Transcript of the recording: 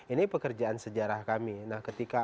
ini pekerjaan sejarah kami nah ketika